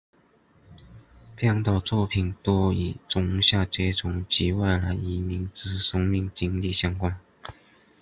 编导作品多与中下阶层及外来移民之生命经历相关。